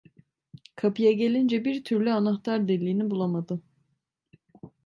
Kapıya gelince, bir türlü anahtar deliğini bulamadı.